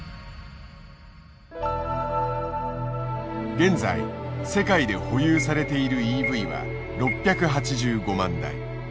現在世界で保有されているＥＶは６８５万台。